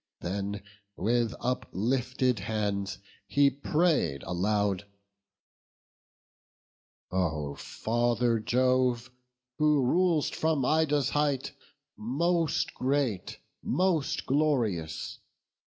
Then with uplifted hands he pray'd aloud: "O Father Jove! who rul'st from Ida's height, Most great! most glorious!